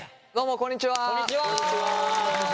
こんにちは。